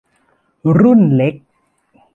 รุ่นเล็ก